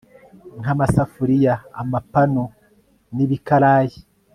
nk'amasafuriya, amapanu n'ibikarayi